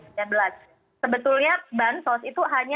sebetulnya bansos itu hanya salah satu yang kemudian rawan terjadi korupsi ya